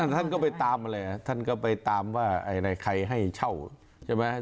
ท่านก็ไปตามมาเลยท่านก็ไปตามว่าใครให้เช่าใช่ไหม